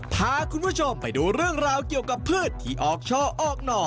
พาคุณผู้ชมไปดูเรื่องราวเกี่ยวกับพืชที่ออกช่อออกหน่อ